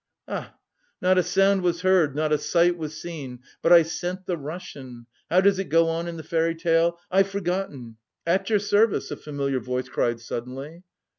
"A ah! Not a sound was heard, not a sight was seen, but I scent the Russian... how does it go on in the fairy tale... I've forgotten! 'At your service!'" a familiar voice cried suddenly.